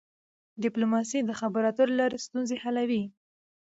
ډيپلوماسي د خبرو اترو له لارې ستونزې حلوي.